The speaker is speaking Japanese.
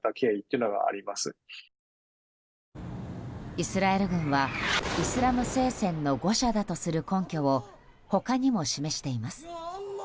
イスラエル軍はイスラム聖戦の誤射だとする根拠を他にも示しています。